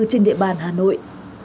trên địa bàn hà nội